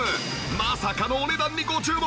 まさかのお値段にご注目！